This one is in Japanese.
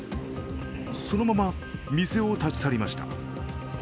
そのまま店を立ち去りました。